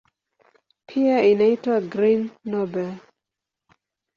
Pia inaitwa "Green Nobel".